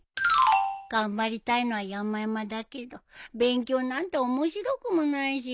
頑張りたいのはやまやまだけど勉強なんて面白くもないし。